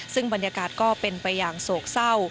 ซึ่งบรรยากาศก็เป็นไปอย่างโศกเศร้า